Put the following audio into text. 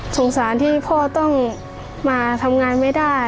สงสารที่พ่อต้องมาทำงานไม่ได้